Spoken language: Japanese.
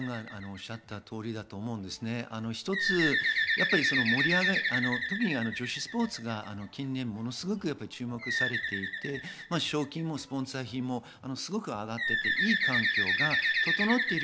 一つ、女子スポーツが近年ものすごく注目されていて、賞金もスポンサー費もすごく上がっていて、いい環境が整っている。